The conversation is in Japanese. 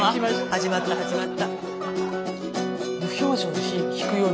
始まった始まった。